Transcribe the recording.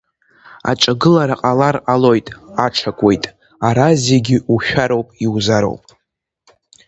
Аҿагылара ҟалар ҟалоит, аҽакуеит, ара зегьы ушәароуп, иузароуп.